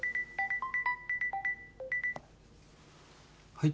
はい。